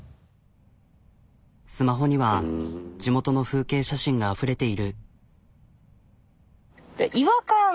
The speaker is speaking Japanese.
スマホには地元の風景写真があふれている。